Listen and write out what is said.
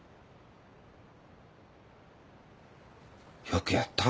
よくやった。